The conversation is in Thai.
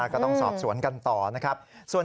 ก็ต้องสอบสวนกันต่อนะครับ